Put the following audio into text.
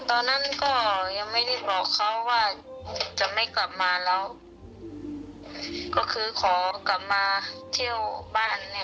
ตอนนั้นก็ยังไม่ได้บอกเขาว่าจะไม่กลับมาแล้วก็คือขอกลับมาเที่ยวบ้านเนี่ย